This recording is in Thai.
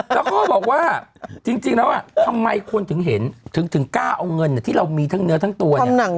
แล้วก็บอกว่าจริงแล้วทำไมคนถึงเห็นถึงกล้าเอาเงินที่เรามีทั้งเนื้อทั้งตัวเนี่ย